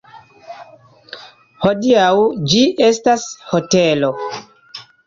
Hodiaŭ ĝi estas hotelo.